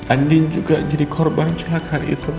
andi juga jadi korban kecelakaan itu